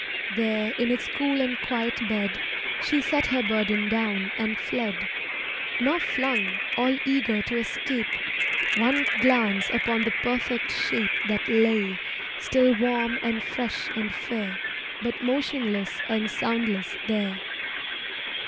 There, in its cool and quiet bed, She set her burden down and fled: Nor flung, all eager to escape, One glance upon the perfect shape That lay, still warm and fresh and fair, But motionless and soundless there.